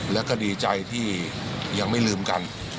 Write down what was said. แล้วก็ดีใจที่ยังไม่ลืมกัน